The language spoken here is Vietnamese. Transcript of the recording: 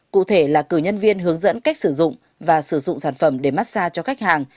cụ thể là cử nhân viên hướng dẫn cách sử dụng và sử dụng sản phẩm để massage cho khách hàng